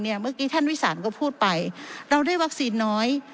เมื่อกี้ท่านวิสานก็พูดไปเราได้วัคซีนน้อย